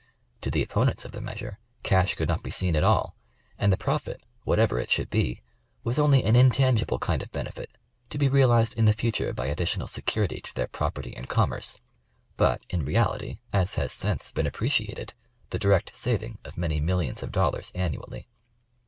To the opponents of the measure cash could not be seen at all, and the profit, whatever it should be, was only an intangible kind of ben efit to be realized in the future by additional security to their property and commerce ; but, in reality, as has since been appre ciated, the direct saving of many millions of dollars annually.